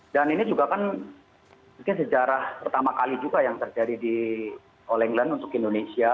dan ini juga kan sejarah pertama kali juga yang terjadi di all england untuk indonesia